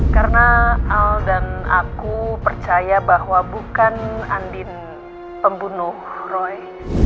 karena al dan aku percaya bahwa bukan andin pembunuh roy